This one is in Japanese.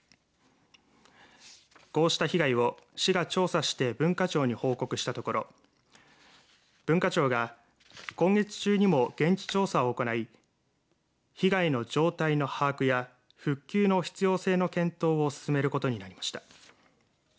こうした被害を市が調査して文化庁に報告したところ文化庁が今月中にも現地調査を行い被害の状態の把握や復旧の必要性の検討を進めることになりました。